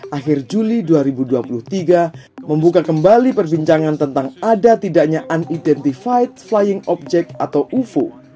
akhir juli dua ribu dua puluh tiga membuka kembali perbincangan tentang ada tidaknya unidentified flying object atau ufu